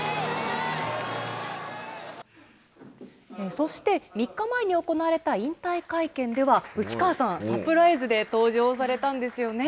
そして、３日前に行われた引退会見では、内川さん、サプライズで登場されたんですよね。